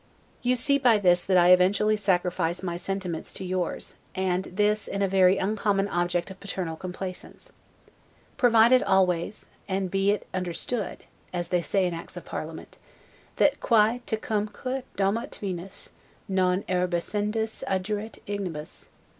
You see by this that I eventually sacrifice my sentiments to yours, and this in a very uncommon object of paternal complaisance. Provided always, and be it understood (as they say in acts of Parliament), that 'quae te cumque domat Venus, non erubescendis adurit ignibus'.